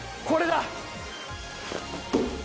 これだ！